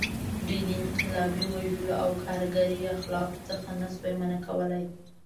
دوی د انقلابي وژلو او کارګري اخلاقو څخه نه شوای منع کولی.